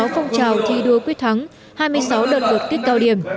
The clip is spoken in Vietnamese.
sáu phong trào thi đua quyết thắng hai mươi sáu đợt vượt kết cao điểm